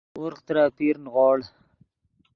ورغ ترے اپیر نیغوڑ